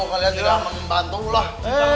kalian tidak akan membantulah